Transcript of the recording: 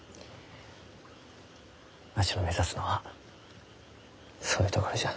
わしが目指すのはそういうところじゃ。